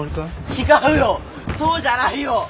違うよそうじゃないよ！